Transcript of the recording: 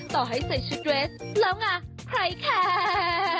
ต่อให้ใส่ชุดเรสแล้วไงใครแคร์